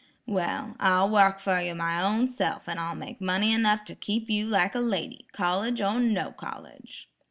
"Well, I'll wark fer you my own self, and I'll make money enough to keep you like a lady, college or no college."